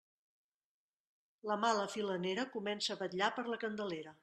La mala filanera comença a vetllar per la Candelera.